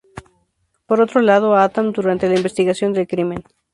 Por otro lado Adam, durante la investigación del crimen.